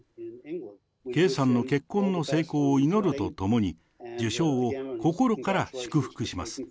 圭さんの結婚の成功を祈るとともに、受賞を心から祝福します。